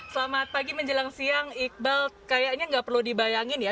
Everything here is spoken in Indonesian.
selamat pagi menjelang siang iqbal kayaknya nggak perlu dibayangin ya